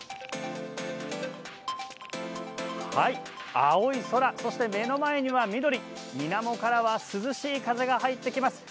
青い空、目の前には緑みなもからは涼しい風が入ってきます。